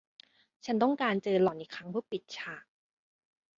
ฉันต้องการเจอหล่อนอีกครั้งเพื่อปิดฉาก